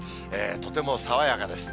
とても爽やかです。